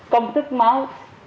công thức máu